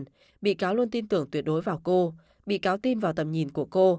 trương huệ vân bị cáo luôn tin tưởng tuyệt đối vào cô bị cáo tin vào tầm nhìn của cô